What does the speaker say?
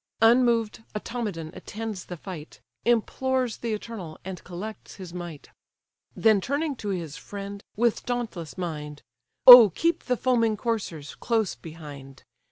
Unmov'd, Automedon attends the fight, Implores the Eternal, and collects his might. Then turning to his friend, with dauntless mind: "Oh keep the foaming coursers close behind!